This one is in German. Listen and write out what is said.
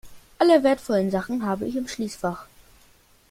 Alle wertvollen Sachen habe ich im Schließfach.